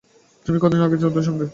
তুমি ক দিন ছিলে ওদের সঙ্গে?